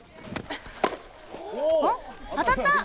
お当たった！